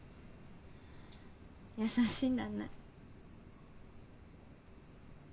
優しいんだね。